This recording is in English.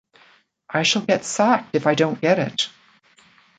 I shall get sacked if I don't get it.